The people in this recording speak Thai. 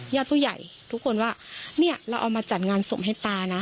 ญาติผู้ใหญ่ทุกคนว่าเนี่ยเราเอามาจัดงานศพให้ตานะ